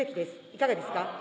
いかがですか。